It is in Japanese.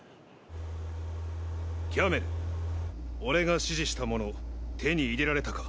キャメル俺が指示したモノ手に入れられたか？